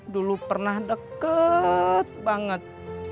dulu pernah deket banget